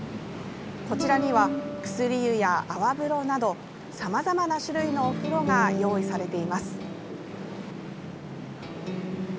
こちらには、薬湯や泡風呂などさまざまな種類のお風呂が用意されています。